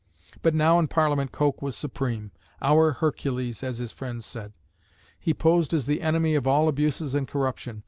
But now in Parliament Coke was supreme, "our Hercules," as his friends said. He posed as the enemy of all abuses and corruption.